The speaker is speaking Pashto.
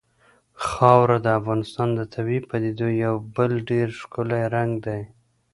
خاوره د افغانستان د طبیعي پدیدو یو بل ډېر ښکلی رنګ دی.